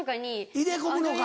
入れ込むのか？